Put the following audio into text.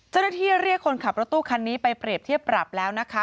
เรียกคนขับรถตู้คันนี้ไปเปรียบเทียบปรับแล้วนะคะ